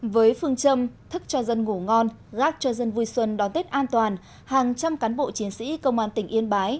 với phương châm thức cho dân ngủ ngon gác cho dân vui xuân đón tết an toàn hàng trăm cán bộ chiến sĩ công an tỉnh yên bái